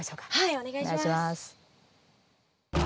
お願いします。